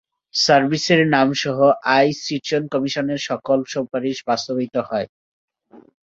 সার্ভিসের নামসহ আইচিসন কমিশনের সকল সুপারিশ বাস্তবায়িত হয়।